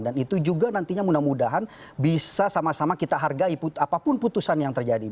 dan itu juga nantinya mudah mudahan bisa sama sama kita hargai apapun putusan yang terjadi